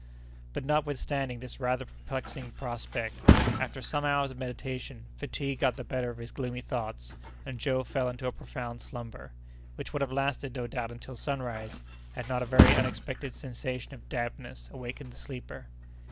But, notwithstanding this rather perplexing prospect, after some hours of meditation, fatigue got the better of his gloomy thoughts, and Joe fell into a profound slumber, which would have lasted no doubt until sunrise, had not a very unexpected sensation of dampness awakened the sleeper.